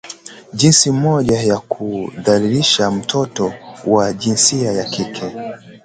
jinsi moja ya kumdhalilisha mtoto wa jinsia ya kike